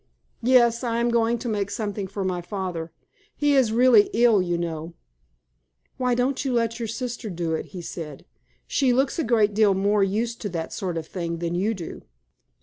"Yes, I am going to make something for my father. He is really ill, you know." "Why don't you let your sister do it?" he said. "She looks a great deal more used to that sort of thing than you do."